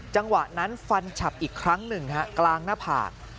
จังหวะนั้นฟันฉับอีกครั้งหนึ่งฮะกลางหน้าผาก